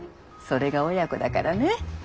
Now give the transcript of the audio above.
それが親子だからね。